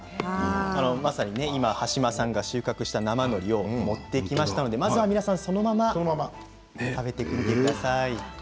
今、まさに橋間さんが収穫した生のりを持ってきましたのでまずは皆さん、そのまま食べてみてください。